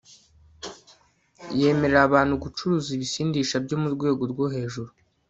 yemerera abantu gucuruza ibisindisha byo ku rwego rwo hejuru